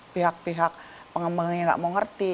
pihak pihak pengembangnya tidak mau mengerti